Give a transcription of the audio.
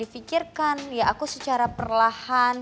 pikirkan ya aku secara perlahan